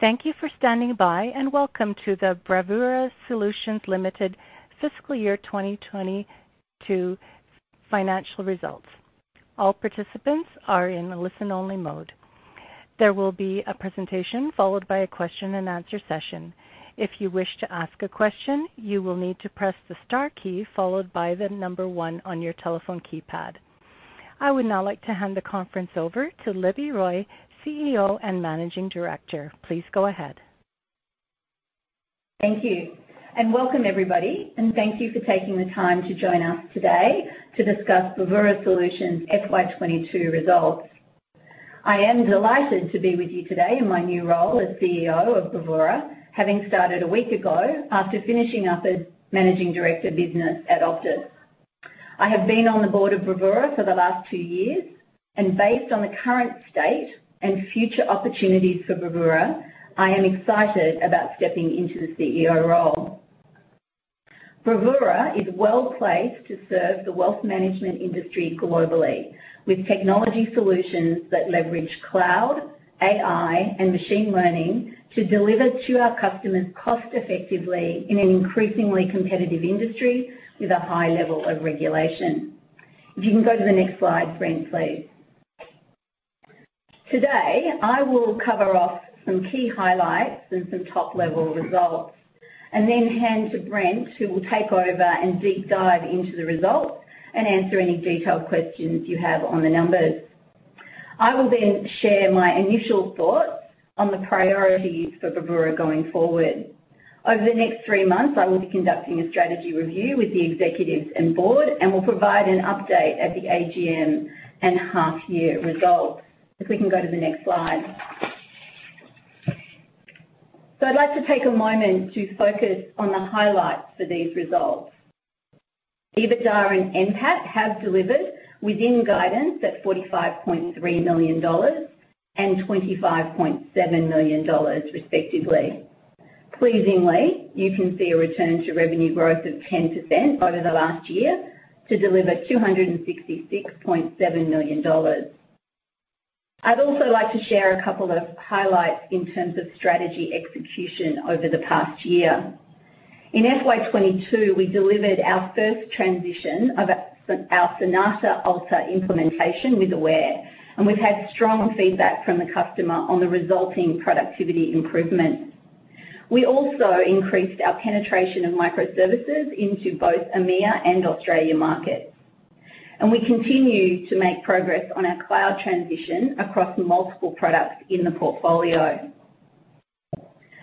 Thank you for standing by, and welcome to the Bravura Solutions Limited Fiscal Year 2022 Financial Results. All participants are in listen-only mode. There will be a presentation followed by a question-and-answer session. If you wish to ask a question, you will need to press the star key followed by the number one on your telephone keypad. I would now like to hand the conference over to Libby Roy, CEO and Managing Director. Please go ahead. Thank you. Welcome, everybody, and thank you for taking the time to join us today to discuss Bravura Solutions FY 2022 results. I am delighted to be with you today in my new role as CEO of Bravura, having started a week ago after finishing up as Managing Director Business at Optus. I have been on the board of Bravura for the last two years, and based on the current state and future opportunities for Bravura, I am excited about stepping into the CEO role. Bravura is well placed to serve the wealth management industry globally with technology solutions that leverage cloud, AI, and machine learning to deliver to our customers cost effectively in an increasingly competitive industry with a high level of regulation. If you can go to the next slide, Brent, please. Today, I will cover off some key highlights and some top-level results, and then hand to Brent, who will take over and deep dive into the results and answer any detailed questions you have on the numbers. I will then share my initial thoughts on the priorities for Bravura going forward. Over the next three months, I will be conducting a strategy review with the executives and board and will provide an update at the AGM and half year results. If we can go to the next slide. I'd like to take a moment to focus on the highlights for these results. EBITDA and NPAT have delivered within guidance at 45.3 million dollars and 25.7 million dollars, respectively. Pleasingly, you can see a return to revenue growth of 10% over the last year to deliver 266.7 million dollars. I'd also like to share a couple of highlights in terms of strategy execution over the past year. In FY 2022, we delivered our first transition of our Sonata Alta implementation with Aware, and we've had strong feedback from the customer on the resulting productivity improvements. We also increased our penetration of microservices into both EMEA and Australia markets. We continue to make progress on our cloud transition across multiple products in the portfolio.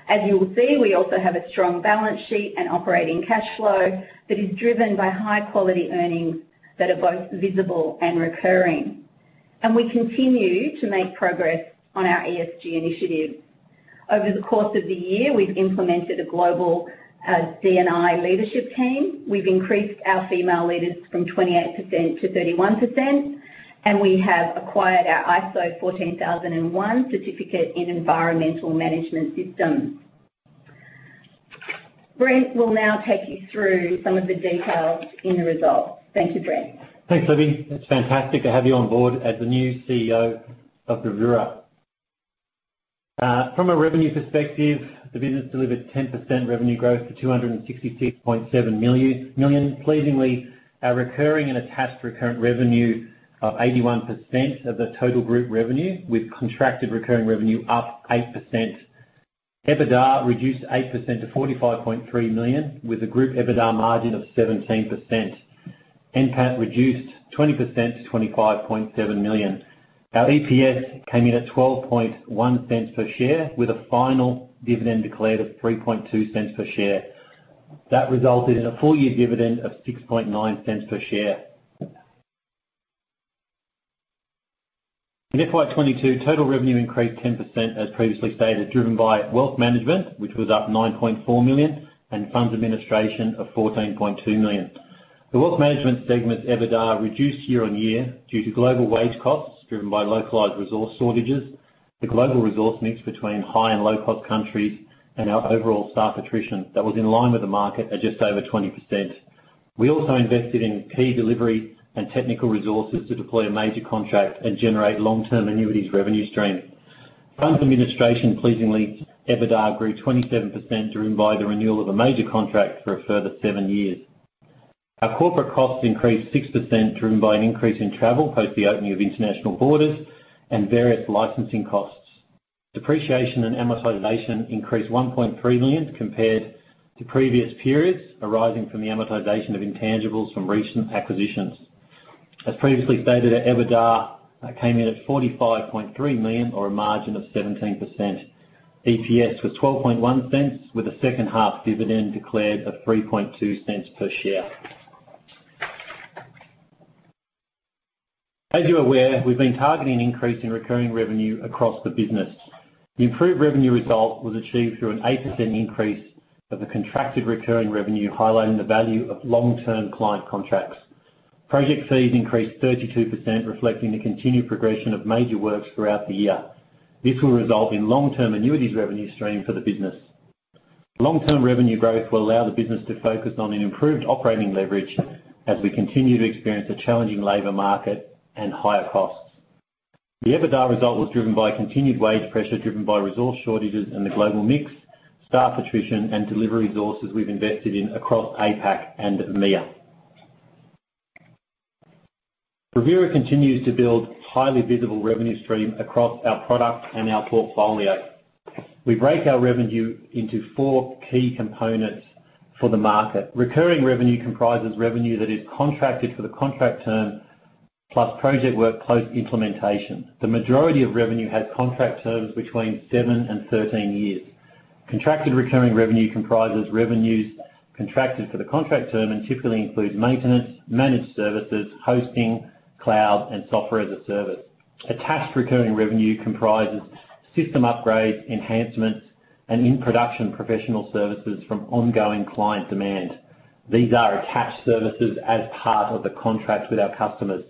As you will see, we also have a strong balance sheet and operating cash flow that is driven by high quality earnings that are both visible and recurring. We continue to make progress on our ESG initiative. Over the course of the year, we've implemented a global D&I leadership team. We've increased our female leaders from 28%-31%, and we have acquired our ISO 14001 certificate in environmental management systems. Brent will now take you through some of the details in the results. Thank you, Brent. Thanks, Libby. It's fantastic to have you on board as the new CEO of Bravura. From a revenue perspective, the business delivered 10% revenue growth to 266.7 million. Pleasingly, our recurring and attached recurrent revenue of 81% of the total group revenue, with contracted recurring revenue up 8%. EBITDA reduced 8% to 45.3 million, with a group EBITDA margin of 17%. NPAT reduced 20% to 25.7 million. Our EPS came in at 0.121 per share, with a final dividend declared of 0.032 per share. That resulted in a full year dividend of 0.069 per share. In FY 2022, total revenue increased 10%, as previously stated, driven by wealth management, which was up 9.4 million, and funds administration of 14.2 million. The wealth management segment's EBITDA reduced year-on-year due to global wage costs driven by localized resource shortages, the global resource mix between high and low cost countries, and our overall staff attrition that was in line with the market at just over 20%. We also invested in key delivery and technical resources to deploy a major contract and generate long-term annuities revenue stream. Funds administration, pleasingly, EBITDA grew 27% driven by the renewal of a major contract for a further seven years. Our corporate costs increased 6% driven by an increase in travel post the opening of international borders and various licensing costs. Depreciation and amortization increased 1.3 million compared to previous periods, arising from the amortization of intangibles from recent acquisitions. As previously stated, our EBITDA came in at 45.3 million or a margin of 17%. EPS was 0.121, with a second half dividend declared of 0.032 per share. As you're aware, we've been targeting increase in recurring revenue across the business. The improved revenue result was achieved through an 8% increase of the contracted recurring revenue, highlighting the value of long-term client contracts. Project fees increased 32%, reflecting the continued progression of major works throughout the year. This will result in long-term annuities revenue stream for the business. Long-term revenue growth will allow the business to focus on an improved operating leverage as we continue to experience a challenging labor market and higher costs. The EBITDA result was driven by continued wage pressure, driven by resource shortages in the global mix, staff attrition, and delivery resources we've invested in across APAC and EMEA. Bravura continues to build highly visible revenue stream across our products and our portfolio. We break our revenue into four key components for the market. Recurring revenue comprises revenue that is contracted for the contract term, plus project work post-implementation. The majority of revenue has contract terms between seven and 13 years. Contracted recurring revenue comprises revenues contracted for the contract term and typically includes maintenance, managed services, hosting, cloud, and software as a service. Attached recurring revenue comprises system upgrades, enhancements, and in-production professional services from ongoing client demand. These are attached services as part of the contract with our customers.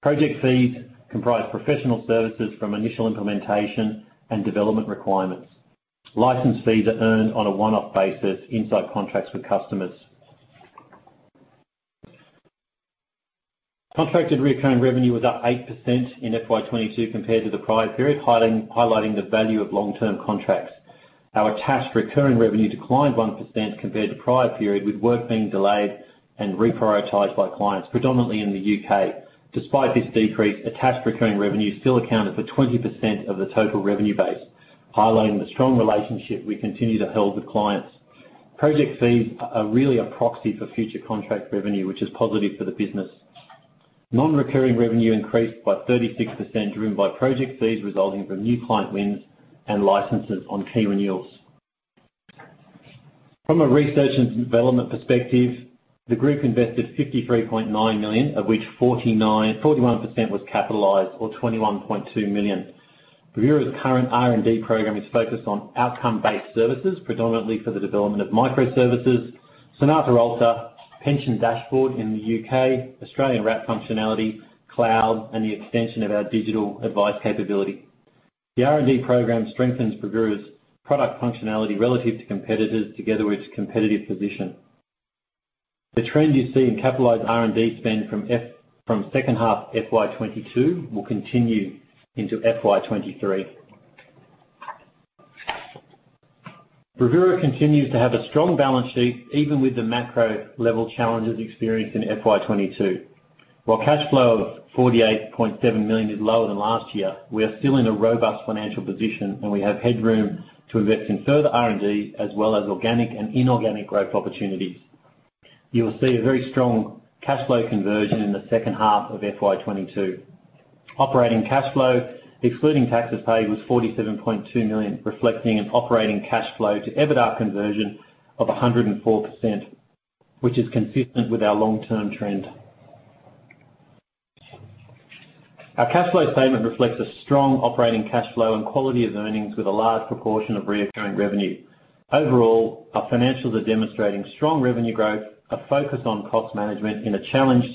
Project fees comprise professional services from initial implementation and development requirements. License fees are earned on a one-off basis inside contracts with customers. Contracted recurring revenue was up 8% in FY 2022 compared to the prior period, highlighting the value of long-term contracts. Our attached recurring revenue declined 1% compared to prior period, with work being delayed and reprioritized by clients, predominantly in the U.K. Despite this decrease, attached recurring revenue still accounted for 20% of the total revenue base, highlighting the strong relationship we continue to hold with clients. Project fees are really a proxy for future contract revenue, which is positive for the business. Non-recurring revenue increased by 36%, driven by project fees resulting from new client wins and licenses on key renewals. From a research and development perspective, the group invested 53.9 million, of which 41% was capitalized or 21.2 million. Bravura's current R&D program is focused on outcome-based services, predominantly for the development of microservices, Sonata Alta, Dashboards Connect in the U.K., Australian Wrap functionality, cloud, and the extension of our digital advice capability. The R&D program strengthens Bravura's product functionality relative to competitors together with competitive position. The trend you see in capitalized R&D spend from second half FY 2022 will continue into FY 2023. Bravura continues to have a strong balance sheet, even with the macro-level challenges experienced in FY 2022. While cash flow of 48.7 million is lower than last year, we are still in a robust financial position, and we have headroom to invest in further R&D, as well as organic and inorganic growth opportunities. You will see a very strong cash flow conversion in the second half of FY 2022. Operating cash flow, excluding taxes paid, was 47.2 million, reflecting an operating cash flow to EBITDA conversion of 104%, which is consistent with our long-term trend. Our cash flow statement reflects a strong operating cash flow and quality of earnings with a large proportion of recurring revenue. Overall, our financials are demonstrating strong revenue growth, a focus on cost management in a challenged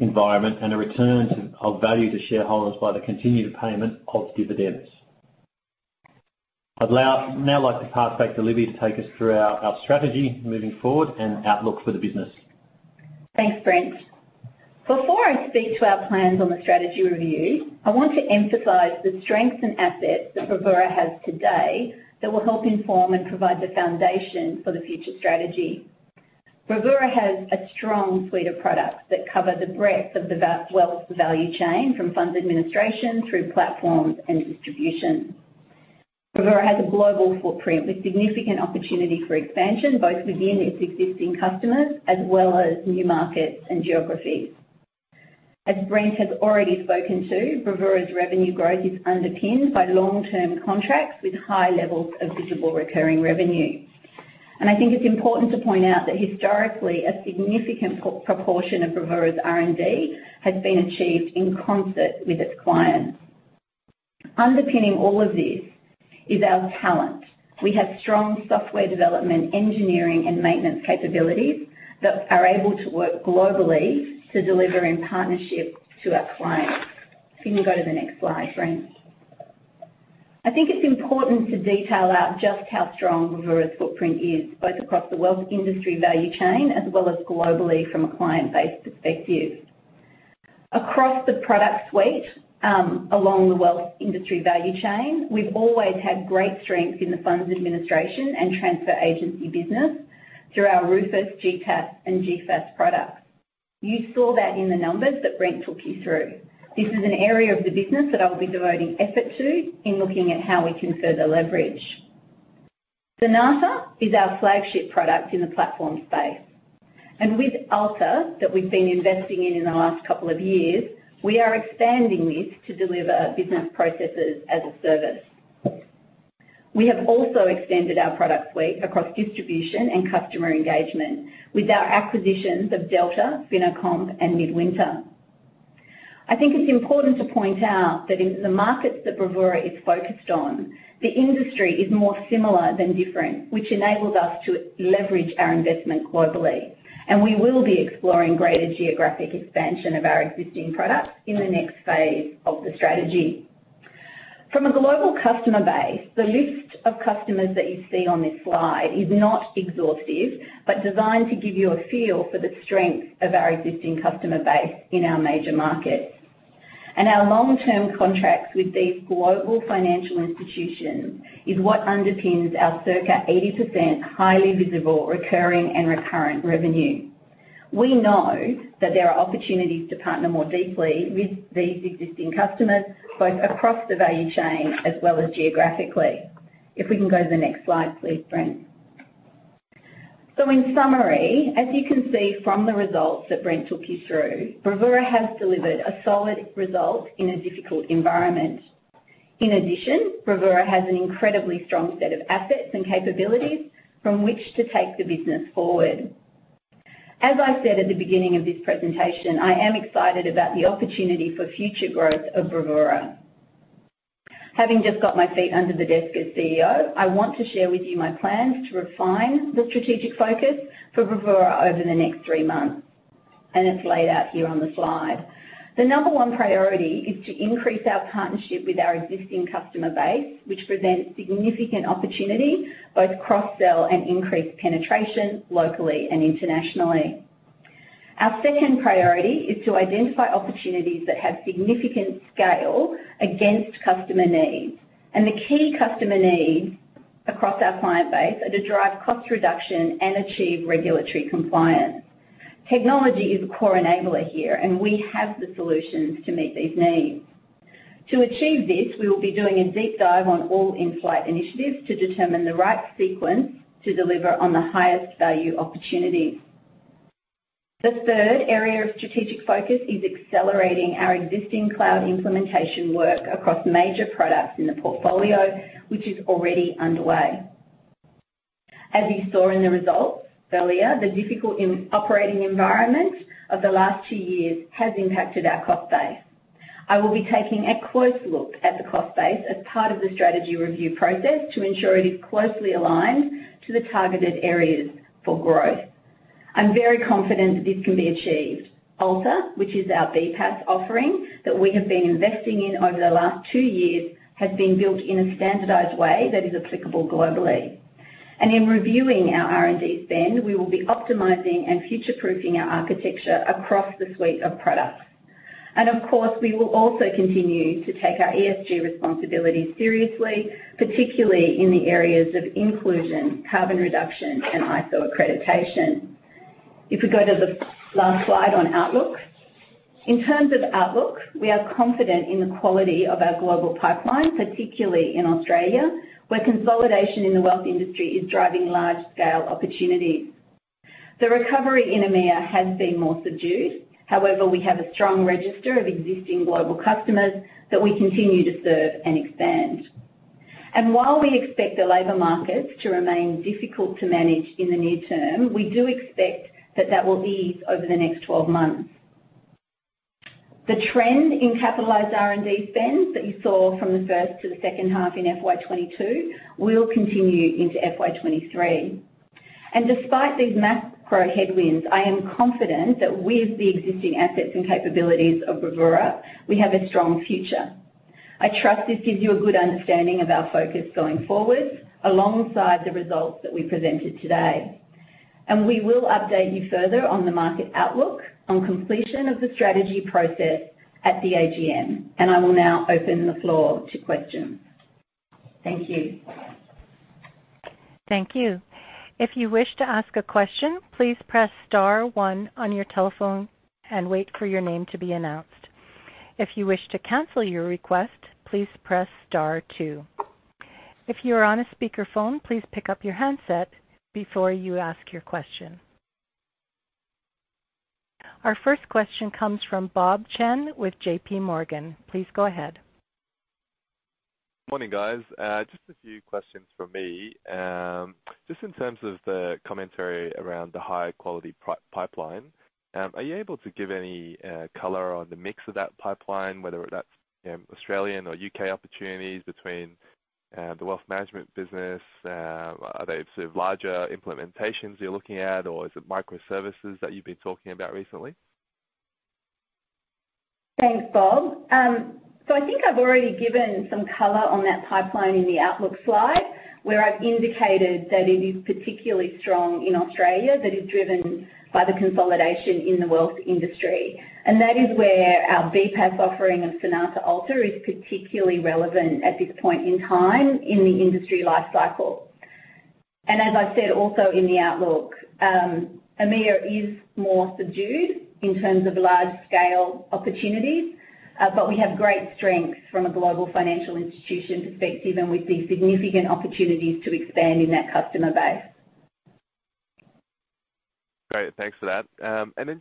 environment, and a return of value to shareholders by the continued payment of dividends. I'd now like to pass back to Olivier Coulon to take us through our strategy moving forward and outlook for the business. Thanks, Brent. Before I speak to our plans on the strategy review, I want to emphasize the strengths and assets that Bravura has today that will help inform and provide the foundation for the future strategy. Bravura has a strong suite of products that cover the breadth of the vast wealth value chain, from funds administration through platforms and distribution. Bravura has a global footprint with significant opportunity for expansion, both within its existing customers as well as new markets and geographies. As Brent has already spoken to, Bravura's revenue growth is underpinned by long-term contracts with high levels of visible recurring revenue. I think it's important to point out that historically, a significant proportion of Bravura's R&D has been achieved in concert with its clients. Underpinning all of this is our talent. We have strong software development, engineering, and maintenance capabilities that are able to work globally to deliver in partnership to our clients. Can you go to the next slide, Brent? I think it's important to detail out just how strong Bravura's footprint is, both across the wealth industry value chain as well as globally from a client base perspective. Across the product suite, along the wealth industry value chain, we've always had great strength in the funds administration and transfer agency business through our Rufus, GTA, and GFAS products. You saw that in the numbers that Brent took you through. This is an area of the business that I will be devoting effort to in looking at how we can further leverage. Sonata is our flagship product in the platform space. With Alta, that we've been investing in in the last couple of years, we are expanding this to deliver business processes as a service. We have also extended our product suite across distribution and customer engagement with our acquisitions of Delta, FinoComp, and Midwinter. I think it's important to point out that in the markets that Bravura is focused on, the industry is more similar than different, which enables us to leverage our investment globally, and we will be exploring greater geographic expansion of our existing products in the next phase of the strategy. From a global customer base, the list of customers that you see on this slide is not exhaustive, but designed to give you a feel for the strength of our existing customer base in our major markets. Our long-term contracts with these global financial institutions is what underpins our circa 80% highly visible recurring and recurrent revenue. We know that there are opportunities to partner more deeply with these existing customers, both across the value chain as well as geographically. If we can go to the next slide, please, Brent. In summary, as you can see from the results that Brent took you through, Bravura has delivered a solid result in a difficult environment. In addition, Bravura has an incredibly strong set of assets and capabilities from which to take the business forward. As I said at the beginning of this presentation, I am excited about the opportunity for future growth of Bravura. Having just got my feet under the desk as CEO, I want to share with you my plans to refine the strategic focus for Bravura over the next three months, and it's laid out here on the slide. The number one priority is to increase our partnership with our existing customer base, which presents significant opportunity, both cross-sell and increased penetration, locally and internationally. Our second priority is to identify opportunities that have significant scale against customer needs. The key customer needs across our client base are to drive cost reduction and achieve regulatory compliance. Technology is a core enabler here, and we have the solutions to meet these needs. To achieve this, we will be doing a deep dive on all in-flight initiatives to determine the right sequence to deliver on the highest value opportunities. The third area of strategic focus is accelerating our existing cloud implementation work across major products in the portfolio, which is already underway. As you saw in the results earlier, the difficult operating environment of the last two years has impacted our cost base. I will be taking a close look at the cost base as part of the strategy review process to ensure it is closely aligned to the targeted areas for growth. I'm very confident this can be achieved. Alta, which is our BPaaS offering that we have been investing in over the last two years, has been built in a standardized way that is applicable globally. In reviewing our R&D spend, we will be optimizing and future-proofing our architecture across the suite of products. Of course, we will also continue to take our ESG responsibilities seriously, particularly in the areas of inclusion, carbon reduction, and ISO accreditation. If we go to the last slide on outlook. In terms of outlook, we are confident in the quality of our global pipeline, particularly in Australia, where consolidation in the wealth industry is driving large-scale opportunities. The recovery in EMEA has been more subdued. However, we have a strong register of existing global customers that we continue to serve and expand. While we expect the labor markets to remain difficult to manage in the near term, we do expect that will ease over the next 12 months. The trend in capitalized R&D spend that you saw from the first to the second half in FY 2022 will continue into FY 2023. Despite these macro headwinds, I am confident that with the existing assets and capabilities of Bravura, we have a strong future. I trust this gives you a good understanding of our focus going forward alongside the results that we presented today. We will update you further on the market outlook on completion of the strategy process at the AGM, and I will now open the floor to questions. Thank you. Thank you. If you wish to ask a question, please press star one on your telephone and wait for your name to be announced. If you wish to cancel your request, please press star two. If you are on a speaker phone, please pick up your handset before you ask your question. Our first question comes from Bob Chen with JPMorgan. Please go ahead. Morning, guys. Just a few questions from me. Just in terms of the commentary around the high-quality pipeline, are you able to give any color on the mix of that pipeline, whether that's Australian or U.K. opportunities between the wealth management business? Are they sort of larger implementations you're looking at, or is it microservices that you've been talking about recently? Thanks, Bob. So I think I've already given some color on that pipeline in the outlook slide, where I've indicated that it is particularly strong in Australia, that is driven by the consolidation in the wealth industry. That is where our BPaaS offering of Sonata Alta is particularly relevant at this point in time in the industry life cycle. As I said, also in the outlook, EMEA is more subdued in terms of large-scale opportunities, but we have great strength from a global financial institution perspective, and we see significant opportunities to expand in that customer base. Great. Thanks for that.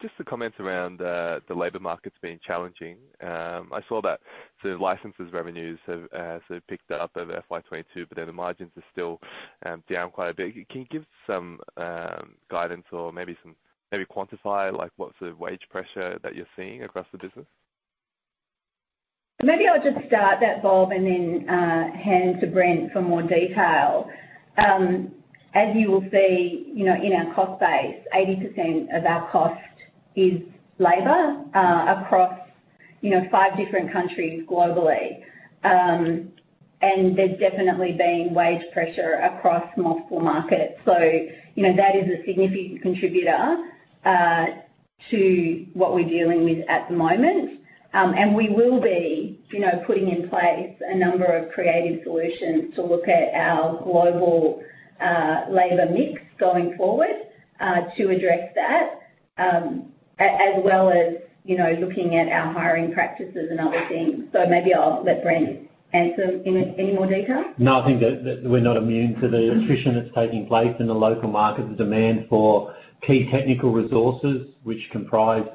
Just the comments around the labor markets being challenging. I saw that the license revenues have sort of picked up over FY 2022, but then the margins are still down quite a bit. Can you give some guidance or maybe quantify, like what's the wage pressure that you're seeing across the business? Maybe I'll just start that, Bob, and then hand to Brent for more detail. As you will see, you know, in our cost base, 80% of our costs is labor across, you know, five different countries globally. There's definitely been wage pressure across multiple markets. You know, that is a significant contributor to what we're dealing with at the moment. We will be, you know, putting in place a number of creative solutions to look at our global labor mix going forward to address that, as well as, you know, looking at our hiring practices and other things. Maybe I'll let Brent answer in more detail. No, I think that we're not immune to the attrition that's taking place in the local market. The demand for key technical resources, which comprise,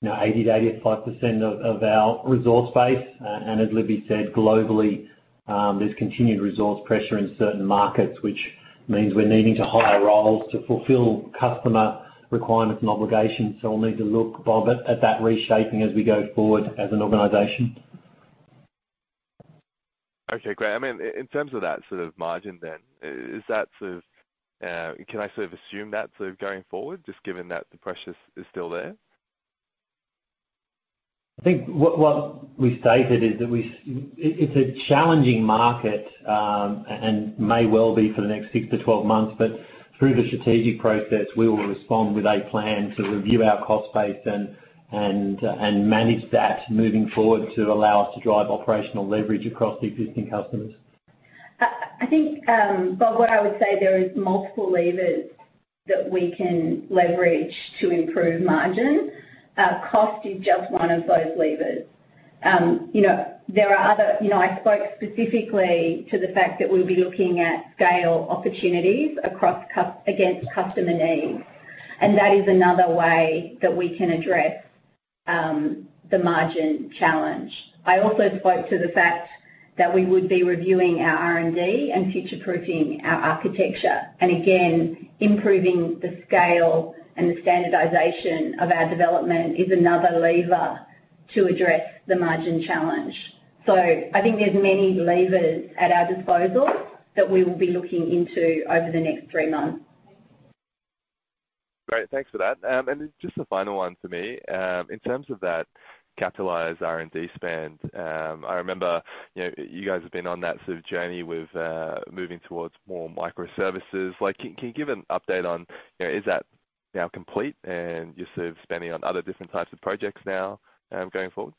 you know, 80%-85% of our resource base. And as Libby said, globally, there's continued resource pressure in certain markets, which means we're needing to hire roles to fulfill customer requirements and obligations. We'll need to look, Bob, at that reshaping as we go forward as an organization. Okay, great. I mean in terms of that sort of margin then, is that sort of, can I sort of assume that sort of going forward, just given that the pressure is still there? I think what we stated is that it's a challenging market and may well be for the next 6-12 months. Through the strategic process, we will respond with a plan to review our cost base and manage that moving forward to allow us to drive operational leverage across the existing customers. I think, Bob, what I would say there is multiple levers that we can leverage to improve margin. Cost is just one of those levers. You know, I spoke specifically to the fact that we'll be looking at scale opportunities against customer needs, and that is another way that we can address the margin challenge. I also spoke to the fact that we would be reviewing our R&D and future-proofing our architecture. Again, improving the scale and the standardization of our development is another lever to address the margin challenge. I think there's many levers at our disposal that we will be looking into over the next three months. Great. Thanks for that. Just a final one for me. In terms of that capitalized R&D spend, I remember, you know, you guys have been on that sort of journey with moving towards more microservices. Like, can you give an update on, you know, is that now complete and you're sort of spending on other different types of projects now, going forward?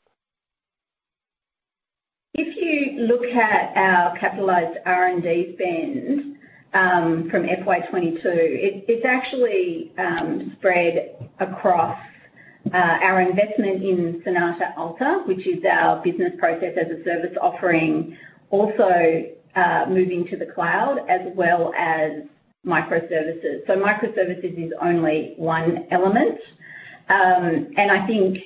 If you look at our capitalized R&D spend from FY 2022, it's actually spread across our investment in Sonata Alta, which is our business process as a service offering, also moving to the cloud as well as microservices. Microservices is only one element. I think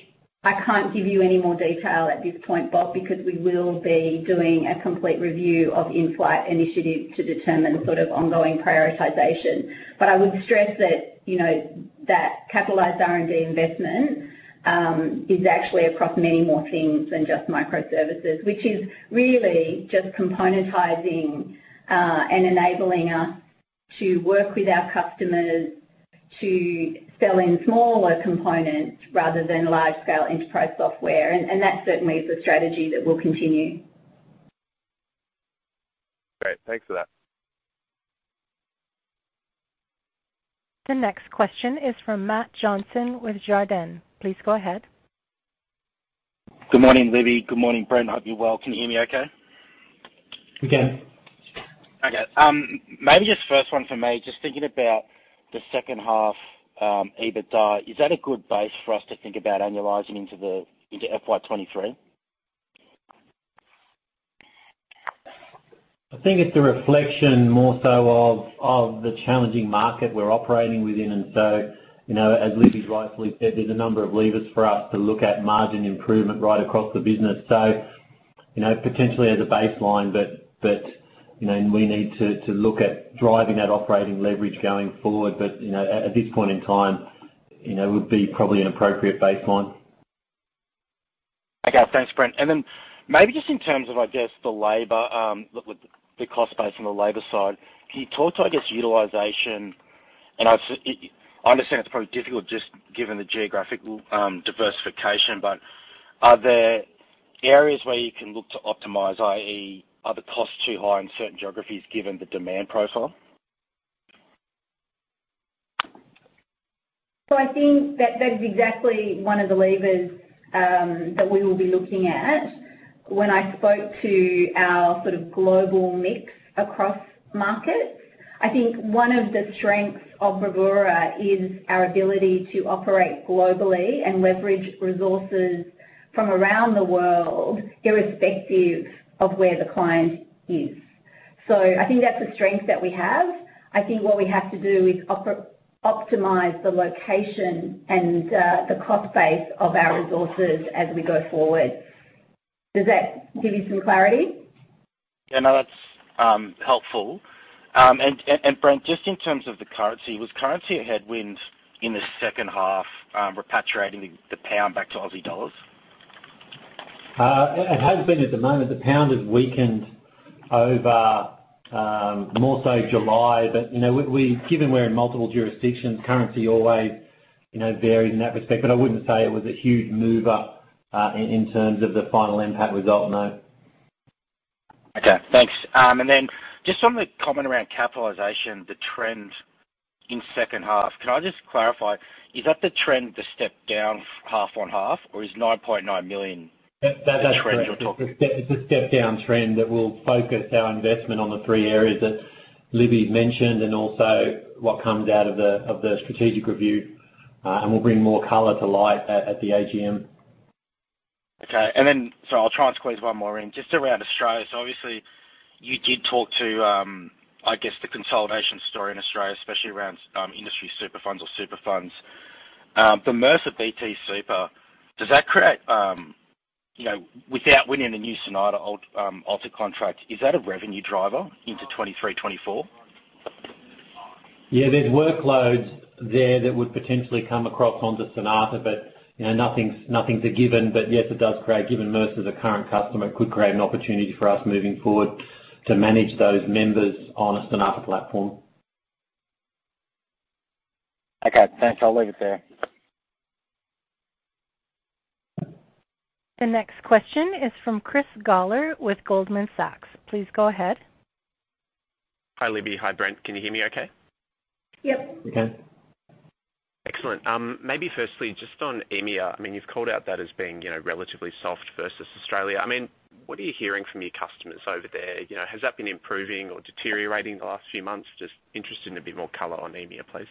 I can't give you any more detail at this point, Bob, because we will be doing a complete review of in-flight initiatives to determine sort of ongoing prioritization. I would stress that, you know, that capitalized R&D investment is actually across many more things than just microservices, which is really just componentizing and enabling us to work with our customers to sell in smaller components rather than large scale enterprise software. That certainly is a strategy that will continue. Great. Thanks for that. The next question is from Matt Johnson with Jarden. Please go ahead. Good morning, Libby. Good morning, Brent. Hope you're well. Can you hear me okay? We can Okay. Maybe just first one for me, just thinking about the second half, EBITDA, is that a good base for us to think about annualizing into FY 2023? I think it's a reflection more so of the challenging market we're operating within. You know, as Libby rightly said, there's a number of levers for us to look at margin improvement right across the business. You know, potentially as a baseline, but you know, and we need to look at driving that operating leverage going forward. You know, at this point in time, you know, would be probably an appropriate baseline. Okay. Thanks, Brent. Then maybe just in terms of, I guess, the labor, with the cost base on the labor side, can you talk to, I guess, utilization? I understand it's probably difficult just given the geographic diversification, but are there areas where you can look to optimize, i.e. are the costs too high in certain geographies given the demand profile? I think that is exactly one of the levers that we will be looking at. When I spoke to our sort of global mix across markets, I think one of the strengths of Bravura is our ability to operate globally and leverage resources from around the world irrespective of where the client is. I think that's a strength that we have. I think what we have to do is optimize the location and the cost base of our resources as we go forward. Does that give you some clarity? Yeah, no, that's helpful. Brent, just in terms of the currency, was currency a headwind in the second half, repatriating the pound back to Aussie dollars? It has been, at the moment, the pound has weakened over, more so July. You know, given we're in multiple jurisdictions, currency always, you know, varies in that respect, but I wouldn't say it was a huge mover in terms of the final impact result, no. Okay. Thanks. Just on the comment around capitalization, the trend in second half, can I just clarify, is that the trend to step down half on half or is 9.9 million? That. the trend you're talking about. It's a step down trend that will focus our investment on the three areas that Libby mentioned and also what comes out of the strategic review, and we'll bring more color to light at the AGM. Okay. I'll try and squeeze one more in. Just around Australia. Obviously you did talk to, I guess, the consolidation story in Australia, especially around industry super funds or super funds. The Mercer & BT Super, does that create, you know, without winning a new Sonata Alta contract, is that a revenue driver into 2023, 2024? Yeah. There's workloads there that would potentially come across onto Sonata, but, you know, nothing's a given. But yes, it does create, given Mercer's a current customer, an opportunity for us moving forward to manage those members on a Sonata platform. Okay. Thanks. I'll leave it there. The next question is from Chris Gawler with Goldman Sachs. Please go ahead. Hi, Libby. Hi, Brent. Can you hear me okay? Yep. We can. Excellent. Maybe firstly just on EMEA, I mean, you've called out that as being, you know, relatively soft versus Australia. I mean, what are you hearing from your customers over there? You know, has that been improving or deteriorating the last few months? Just interested in a bit more color on EMEA, please.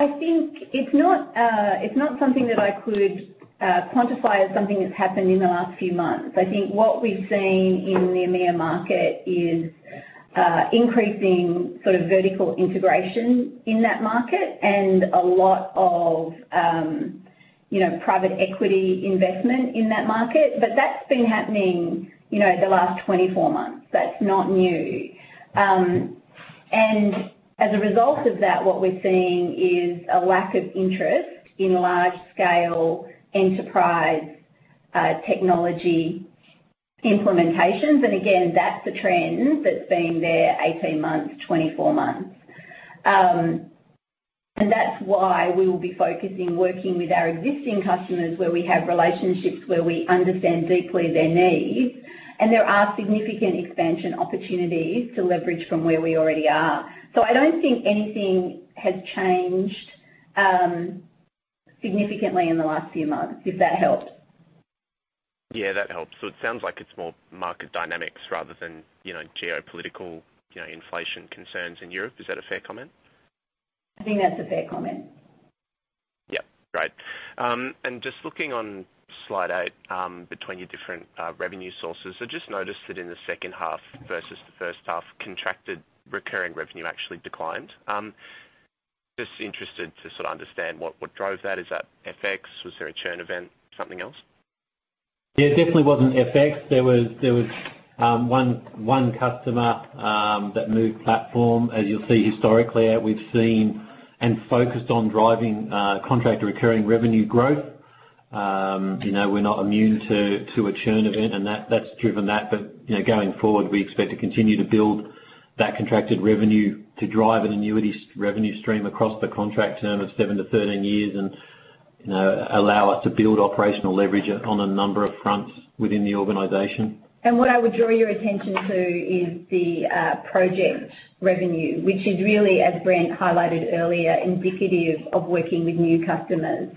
I think it's not something that I could quantify as something that's happened in the last few months. I think what we've seen in the EMEA market is increasing sort of vertical integration in that market and a lot of you know private equity investment in that market. That's been happening you know the last 24 months. That's not new. As a result of that, what we're seeing is a lack of interest in large scale enterprise technology implementations. Again, that's a trend that's been there 18 months, 24 months. That's why we will be focusing working with our existing customers where we have relationships, where we understand deeply their needs, and there are significant expansion opportunities to leverage from where we already are. I don't think anything has changed significantly in the last few months, if that helps. Yeah, that helps. It sounds like it's more market dynamics rather than, you know, geopolitical, you know, inflation concerns in Europe. Is that a fair comment? I think that's a fair comment. Yeah. Great. Just looking on slide 8, between your different revenue sources, I just noticed that in the second half versus the first half, contracted recurring revenue actually declined. Just interested to sort of understand what drove that. Is that FX? Was there a churn event? Something else? Yeah, it definitely wasn't FX. There was one customer that moved platform. As you'll see historically, we've seen and focused on driving contract recurring revenue growth. You know, we're not immune to a churn event, and that's driven that. You know, going forward, we expect to continue to build that contracted revenue to drive an annuity-style revenue stream across the contract term of 7-13 years and, you know, allow us to build operational leverage on a number of fronts within the organization. What I would draw your attention to is the project revenue, which is really, as Brent highlighted earlier, indicative of working with new customers.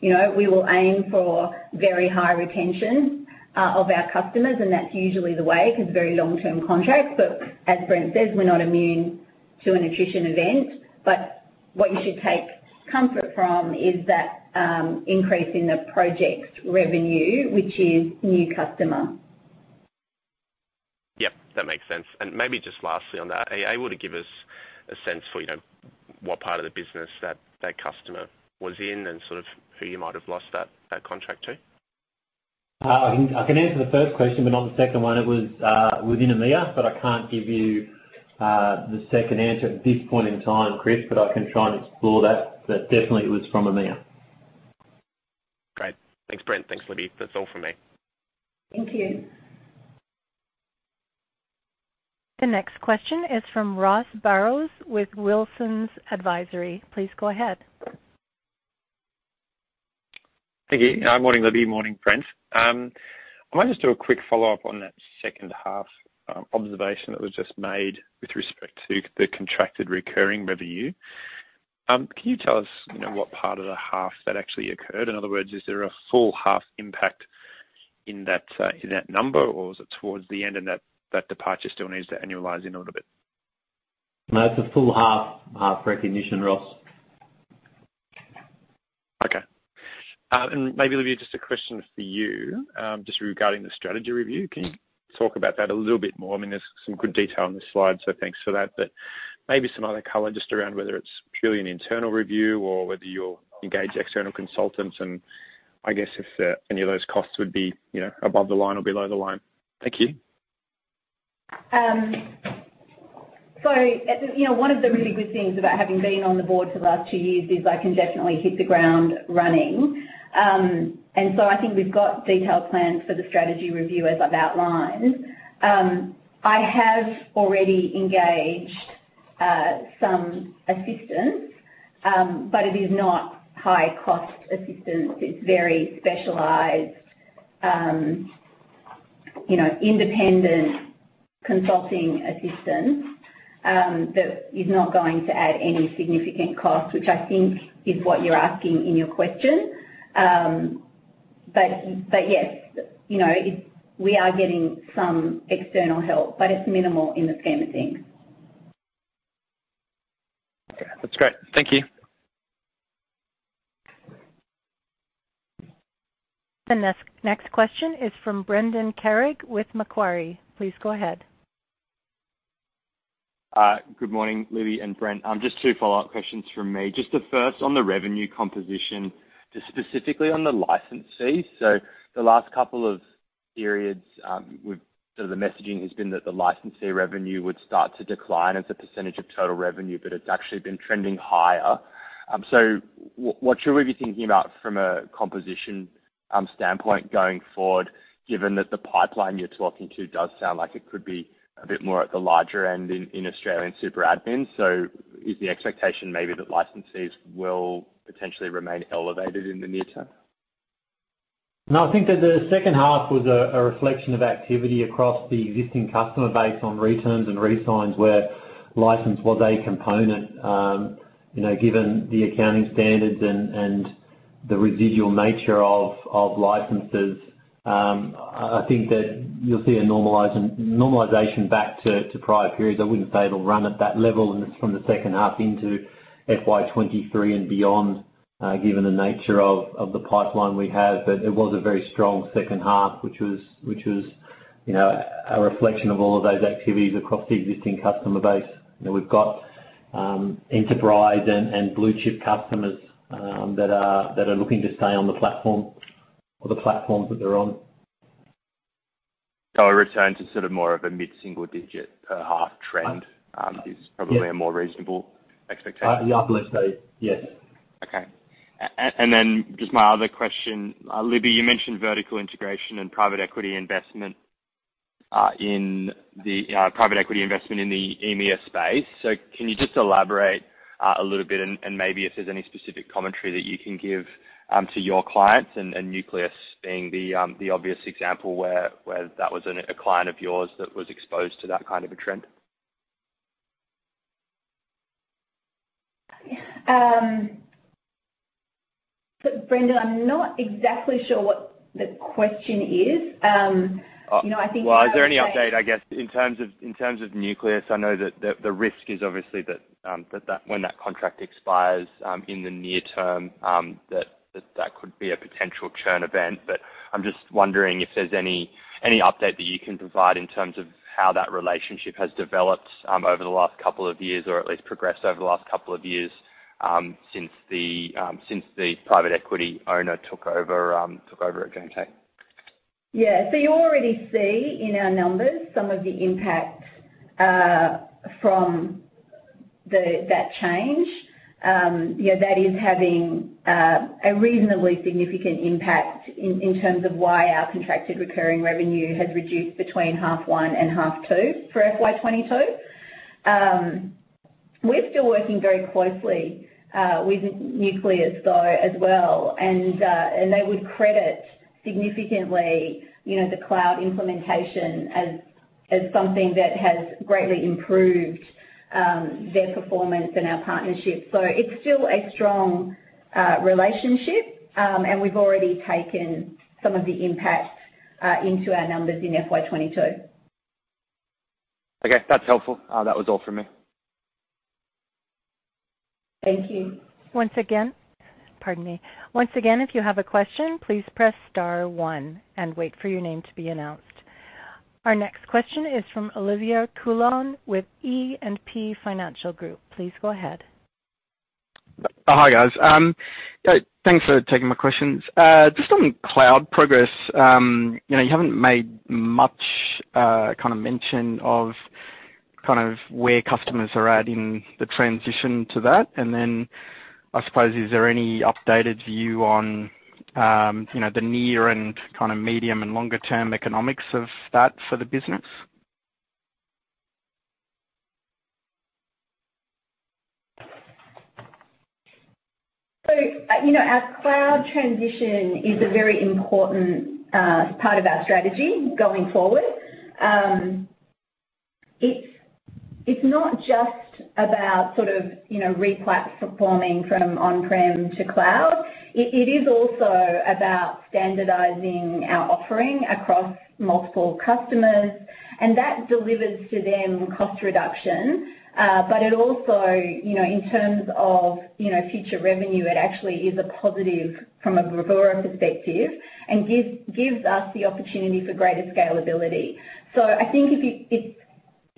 You know, we will aim for very high retention of our customers, and that's usually the way 'cause very long-term contracts. As Brent says, we're not immune to an attrition event. What you should take comfort from is that increase in the project revenue, which is new customer. Yeah, that makes sense. Maybe just lastly on that, are you able to give us a sense for, you know, what part of the business that that customer was in and sort of who you might have lost that contract to? I can answer the first question, but not the second one. It was within EMEA, but I can't give you the second answer at this point in time, Chris, but I can try and explore that, but definitely it was from EMEA. Great. Thanks, Brent. Thanks, Libby. That's all for me. Thank you. The next question is from Ross Barrows with Wilsons Advisory. Please go ahead. Thank you. Morning, Libby. Morning, Brent. I might just do a quick follow-up on that second half observation that was just made with respect to the contracted recurring revenue. Can you tell us, you know, what part of the half that actually occurred? In other words, is there a full half impact in that number, or is it towards the end and that departure still needs to annualize in a little bit? No, it's a full half recognition, Ross. Okay. Maybe, Libby, just a question for you, just regarding the strategy review. Can you talk about that a little bit more? I mean, there's some good detail on the slide, so thanks for that. Maybe some other color just around whether it's purely an internal review or whether you'll engage external consultants and I guess if any of those costs would be, you know, above the line or below the line. Thank you. You know, one of the really good things about having been on the board for the last two years is I can definitely hit the ground running. I think we've got detailed plans for the strategy review, as I've outlined. I have already engaged some assistance, but it is not high cost assistance. It's very specialized, you know, independent consulting assistance that is not going to add any significant cost, which I think is what you're asking in your question. Yes, you know, it's we are getting some external help, but it's minimal in the scheme of things. Okay. That's great. Thank you. The next question is from Brendan Carrigg with Macquarie. Please go ahead. Good morning, Libby and Brent. Just two follow-up questions from me. Just the first on the revenue composition, just specifically on the license fees. The last couple of periods, with the messaging has been that the licensee revenue would start to decline as a percentage of total revenue, but it's actually been trending higher. What should we be thinking about from a composition standpoint going forward, given that the pipeline you're talking to does sound like it could be a bit more at the larger end in Australian super admin? Is the expectation maybe that licensees will potentially remain elevated in the near term? No, I think that the second half was a reflection of activity across the existing customer base on returns and re-signs where license was a component. You know, given the accounting standards and the residual nature of licenses, I think that you'll see a normalization back to prior periods. I wouldn't say it'll run at that level, and it's from the second half into FY 2023 and beyond, given the nature of the pipeline we have. It was a very strong second half, which you know, a reflection of all of those activities across the existing customer base. You know, we've got enterprise and blue chip customers that are looking to stay on the platform or the platforms that they're on. A return to sort of more of a mid-single-digit half trend. Yes. Is probably a more reasonable expectation? Yeah, I believe so. Yes. Okay. Just my other question. Libby, you mentioned vertical integration and private equity investment in the EMEA space. Can you just elaborate a little bit and maybe if there's any specific commentary that you can give to your clients and Nucleus being the obvious example where that was a client of yours that was exposed to that kind of a trend. Brendan, I'm not exactly sure what the question is. You know, I think. Well, is there any update, I guess, in terms of Nucleus? I know that the risk is obviously that when that contract expires in the near term, that that could be a potential churn event. I'm just wondering if there's any update that you can provide in terms of how that relationship has developed over the last couple of years or at least progressed over the last couple of years since the private equity owner took over at GenTech. Yeah. You already see in our numbers some of the impact from that change. You know, that is having a reasonably significant impact in terms of why our contracted recurring revenue has reduced between half one and half two for FY 2022. We're still working very closely with Nucleus though as well and they would credit significantly, you know, the cloud implementation as something that has greatly improved their performance and our partnership. It's still a strong relationship. We've already taken some of the impact into our numbers in FY 2022. Okay. That's helpful. That was all for me. Thank you. Once again. Pardon me. Once again, if you have a question, please press star one and wait for your name to be announced. Our next question is from Olivier Coulon with E&P Financial Group. Please go ahead. Hi, guys. Thanks for taking my questions. Just on cloud progress, you know, you haven't made much kind of mention of kind of where customers are at in the transition to that. I suppose, is there any updated view on, you know, the near and kind of medium and longer term economics of that for the business? You know, our cloud transition is a very important part of our strategy going forward. It's not just about sort of, you know, replatforming from on-prem to cloud. It is also about standardizing our offering across multiple customers, and that delivers to them cost reduction. It also, you know, in terms of, you know, future revenue, it actually is a positive from a Bravura perspective and gives us the opportunity for greater scalability.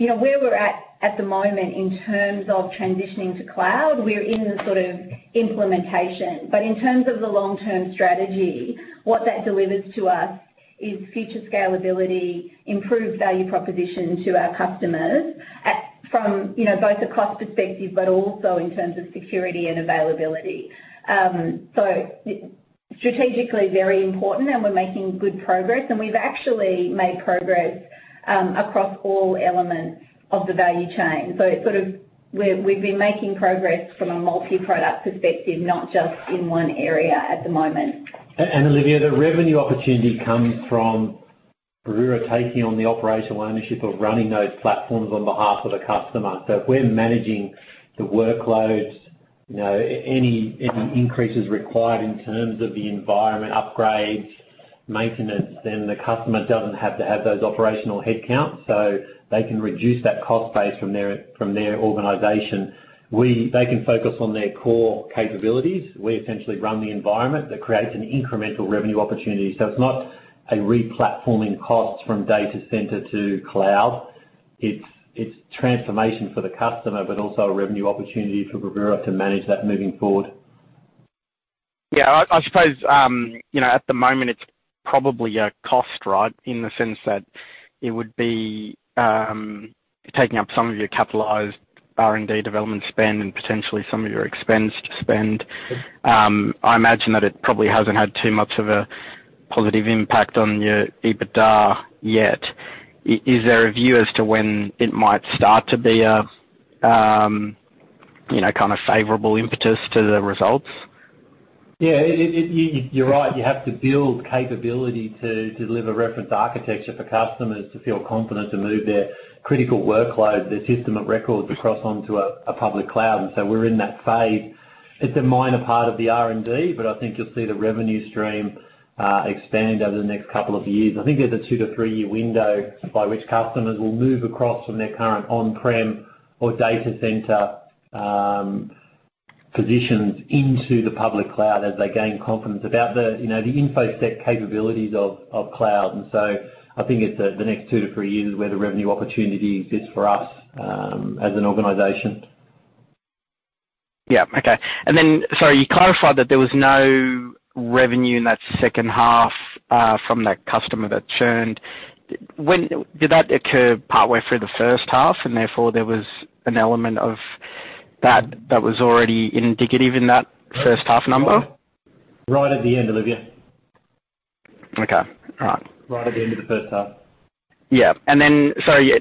You know, where we're at the moment in terms of transitioning to cloud, we're in the sort of implementation. In terms of the long-term strategy, what that delivers to us is future scalability, improved value proposition to our customers and from, you know, both a cost perspective, but also in terms of security and availability. Strategically very important, and we're making good progress. We've actually made progress across all elements of the value chain. It's sort of we've been making progress from a multi-product perspective, not just in one area at the moment. Olivier, the revenue opportunity comes from Bravura taking on the operational ownership of running those platforms on behalf of the customer. If we're managing the workloads, you know, any increases required in terms of the environment upgrades, maintenance, then the customer doesn't have to have those operational headcounts. They can reduce that cost base from their organization. They can focus on their core capabilities. We essentially run the environment. That creates an incremental revenue opportunity. It's not a replatforming cost from data center to cloud. It's transformation for the customer, but also a revenue opportunity for Bravura to manage that moving forward. Yeah, I suppose, you know, at the moment it's probably a cost, right? In the sense that it would be taking up some of your capitalized R&D development spend and potentially some of your OpEx spend. I imagine that it probably hasn't had too much of a positive impact on your EBITDA yet. Is there a view as to when it might start to be a, you know, kind of favorable impetus to the results? Yeah, you're right. You have to build capability to deliver reference architecture for customers to feel confident to move their critical workload, their system of records, across onto a public cloud. We're in that phase. It's a minor part of the R&D, but I think you'll see the revenue stream expand over the next couple of years. I think there's a two to three year window by which customers will move across from their current on-prem or data center positions into the public cloud as they gain confidence about the you know the infosec capabilities of cloud. I think it's the next two to three years where the revenue opportunity exists for us as an organization. You clarified that there was no revenue in that second half from that customer that churned. Did that occur partway through the first half, and therefore there was an element of that that was already indicative in that first half number? Right at the end, Olivia. Okay. All right. Right at the end of the first half.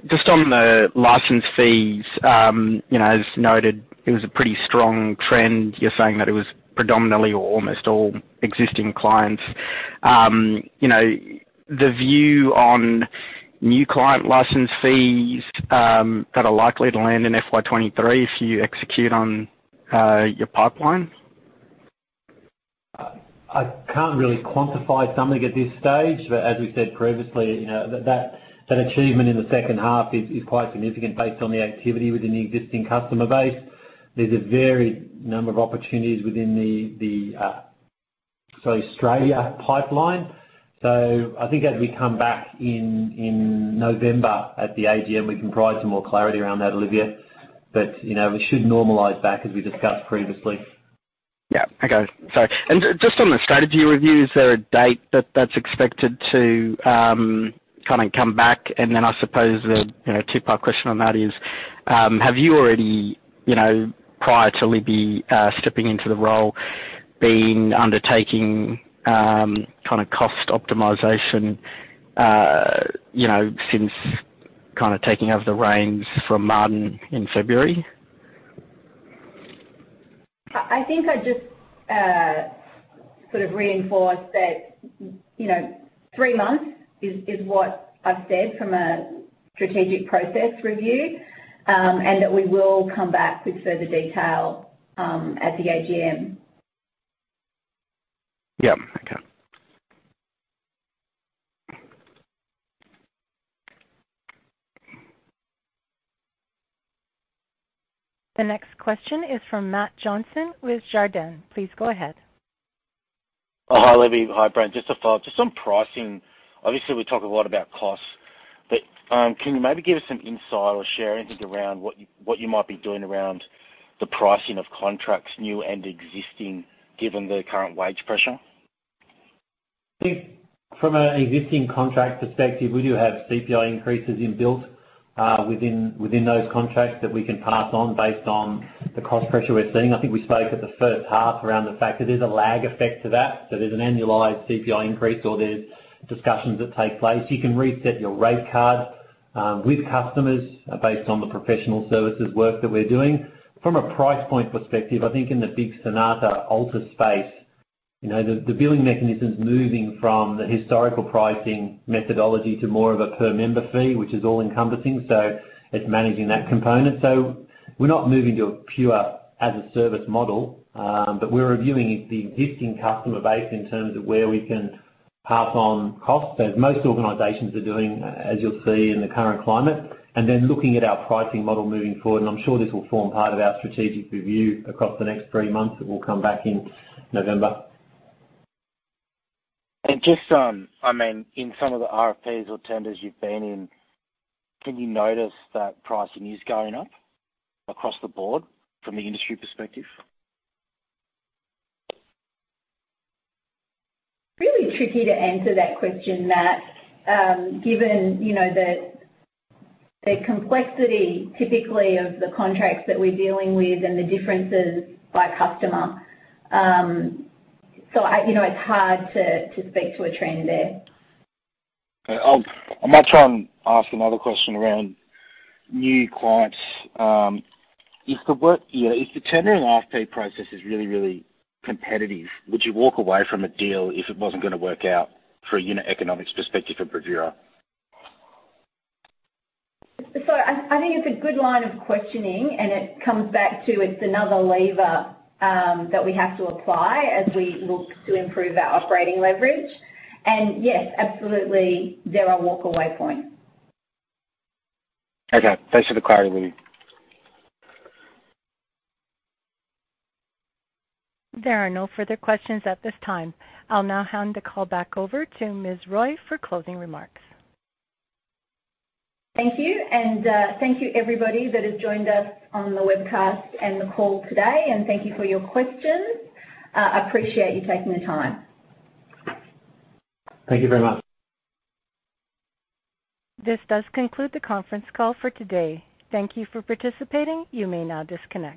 Just on the license fees, you know, as noted, it was a pretty strong trend. You're saying that it was predominantly or almost all existing clients. You know, the view on new client license fees that are likely to land in FY 2023 if you execute on your pipeline. I can't really quantify something at this stage. As we said previously, you know, that achievement in the second half is quite significant based on the activity within the existing customer base. There's a varied number of opportunities within the Australian pipeline. I think as we come back in November at the AGM, we can provide some more clarity around that, Olivier. You know, we should normalize back as we discussed previously. Just on the strategy review, is there a date that that's expected to kind of come back? I suppose the two-part question on that is, have you already, prior to Libby stepping into the role, been undertaking kind of cost optimization, since kind of taking over the reins from Martin in February? I think I'd just sort of reinforce that, you know, three months is what I've said from a strategic process review, and that we will come back with further detail at the AGM. Yeah. Okay. The next question is from Matt Johnson with Jarden. Please go ahead. Oh, hi, Libby. Hi, Brent. Just to follow up, just on pricing. Obviously, we talk a lot about costs. Can you maybe give us some insight or share anything around what you might be doing around the pricing of contracts, new and existing, given the current wage pressure? I think from an existing contract perspective, we do have CPI increases inbuilt within those contracts that we can pass on based on the cost pressure we're seeing. I think we spoke at the first half around the fact that there's a lag effect to that. There's an annualized CPI increase or there's discussions that take place. You can reset your rate card with customers based on the professional services work that we're doing. From a price point perspective, I think in the big Sonata Alta space, you know, the billing mechanism's moving from the historical pricing methodology to more of a per member fee, which is all-encompassing. It's managing that component. We're not moving to a pure as a service model, but we're reviewing the existing customer base in terms of where we can pass on costs as most organizations are doing, as you'll see in the current climate, and then looking at our pricing model moving forward, and I'm sure this will form part of our strategic review across the next three months that we'll come back in November. Just, I mean, in some of the RFPs or tenders you've been in, can you notice that pricing is going up across the board from the industry perspective? Really tricky to answer that question, Matt, given, you know, the complexity typically of the contracts that we're dealing with and the differences by customer. I, you know, it's hard to speak to a trend there. Okay. I might try and ask another question around new clients. If the work, you know, if the tendering RFP process is really, really competitive, would you walk away from a deal if it wasn't gonna work out for a unit economics perspective for Bravura? I think it's a good line of questioning, and it comes back to it's another lever that we have to apply as we look to improve our operating leverage. Yes, absolutely, there are walk away points. Okay. Thanks for the clarity, Libby. There are no further questions at this time. I'll now hand the call back over to Ms. Roy for closing remarks. Thank you. Thank you everybody that has joined us on the webcast and the call today, and thank you for your questions. Appreciate you taking the time. Thank you very much. This does conclude the conference call for today. Thank you for participating. You may now disconnect.